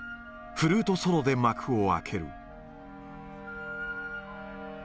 フルートソロで幕を開ける。